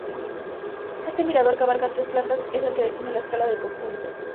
Este mirador, que abarca tres plantas, es el que define la escala del conjunto.